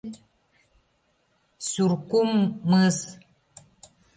СЮРКУМ МЫС